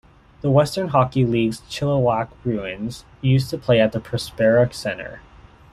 The Western Hockey League's Chilliwack Bruins used to play at the Prospera Centre.